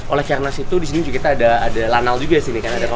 oleh karena situ disini juga kita ada lanal juga sih